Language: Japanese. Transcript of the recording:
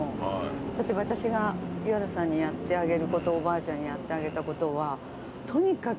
例えば私が湯原さんにやってあげることおばあちゃんにやってあげたことはとにかく。